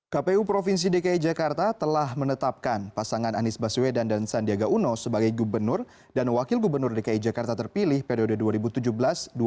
kpu provinsi dki jakarta telah menetapkan pasangan anies baswedan dan sandiaga uno sebagai gubernur dan wakil gubernur dki jakarta terpilih periode dua ribu tujuh belas dua ribu dua puluh